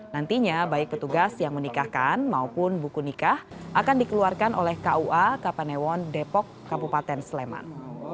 nantinya baik petugas yang menikahkan maupun buku nikah akan dikeluarkan oleh kua kapanewon depok kabupaten sleman